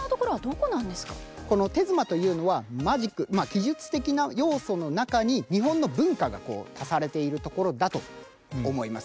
この手妻というのはマジックまあ奇術的な要素の中に日本の文化が足されているところだと思います。